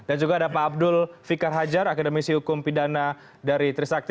dan juga ada pak abdul fikar hajar akademisi hukum pidana dari trisakti